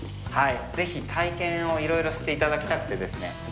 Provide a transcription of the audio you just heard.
ぜひ、体験をいろいろして頂きたくてですね。